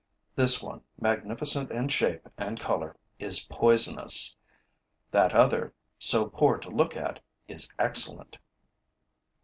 This one, magnificent in shape and color, is poisonous; that other, so poor to look at, is excellent.